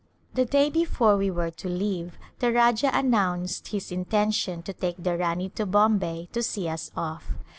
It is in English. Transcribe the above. The day before we were to leave the Rajah an nounced his intention to take the Rani to Bombay to see us off.